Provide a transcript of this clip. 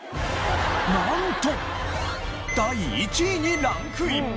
なんと第１位にランクイン！